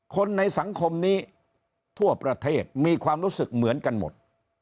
คนในสังคมนี้ทั่วประเทศมีความรู้สึกเหมือนกันหมด